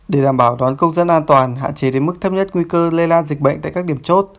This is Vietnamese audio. để đảm bảo đón công dân an toàn hạn chế đến mức thấp nhất nguy cơ lây lan dịch bệnh tại các điểm chốt